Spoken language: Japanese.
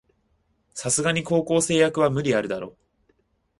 さすがに高校生役は無理あるだろ